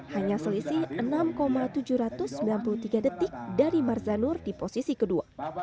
hanya selisih enam tujuh ratus sembilan puluh tiga detik dari marzanur di posisi kedua